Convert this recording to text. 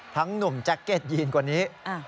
ทั้งหนุ่มแจ็คเก็ตยีนกว่านี้